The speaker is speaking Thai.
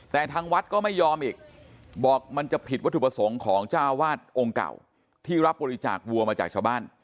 แต่ทางวัดก็ไม่ยอมอีกบอกมันจะผิดวัตถุประสงค์ของเจ้าวาดองค์เก่าที่รับบริจาควัวมาจากชาวบ้าน